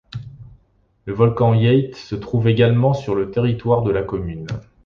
Le volcan Yate se trouve également sur le territoire de la commune.